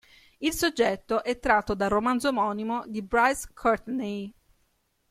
Il soggetto è tratto dal romanzo omonimo di Bryce Courtenay.